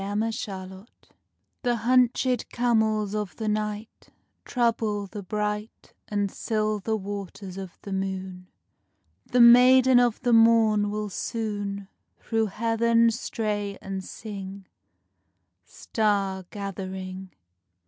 ARAB LOVE SONG The hunchèd camels of the night[E] Trouble the bright And silver waters of the moon. The Maiden of the Morn will soon Through Heaven stray and sing, Star gathering.